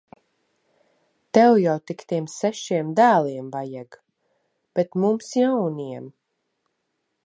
Tev jau tik tiem sešiem dēliem vajag! Bet mums jauniem.